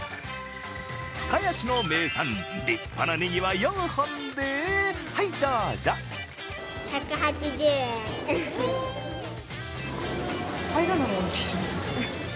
深谷市の名産、立派なねぎは４本ではい、どうぞ。